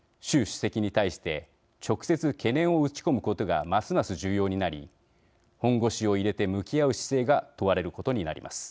主席に対して直接、懸念を打ち込むことがますます重要になり本腰を入れて向き合う姿勢が問われることになります。